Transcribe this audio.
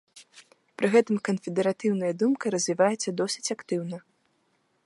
Пры гэтым канфедэратыўная думка развіваецца досыць актыўна.